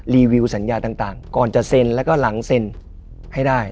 รีวิวสัญญาต่างก่อนจะเซ็นแล้วก็หลังเซ็นให้ได้